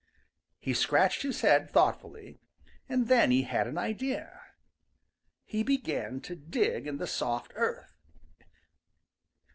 He scratched his head thoughtfully, and then he had an idea. He began to dig in the soft earth.